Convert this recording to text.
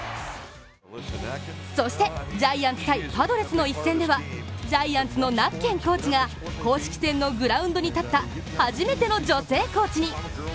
そして、ジャイアンツ×パドレスの一戦ではジャイアンツのナッケンコーチが公式戦のグラウンドに立った初めての女性コーチに。